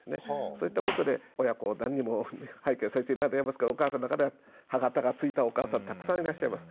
そういったことで親子を何人も拝見させて頂いてますけどお母さんの中では歯形がついたお母さんたくさんいらっしゃいます。